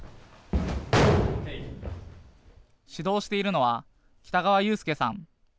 指導しているのは、北川雄介さん。